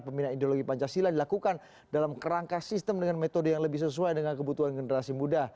pembinaan ideologi pancasila dilakukan dalam kerangka sistem dengan metode yang lebih sesuai dengan kebutuhan generasi muda